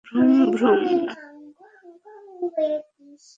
Vroom, vroom!